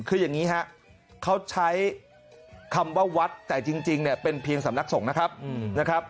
คืออย่างนี้ฮะเขาใช้คำว่าวัดแต่จริงเนี่ยเป็นเพียงสำนักสงฆ์นะครับ